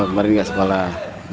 oh kemarin gak sekolah